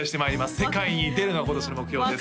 世界に出るのが今年の目標です